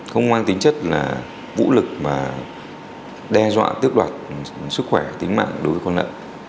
không mang tính chất là vũ lực mà đe dọa tước đoạt sức khỏe tính mạng đối với con nợ